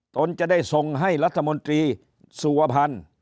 ตนจะได้ส่งให้รัฐมนตรีสุวพันธ์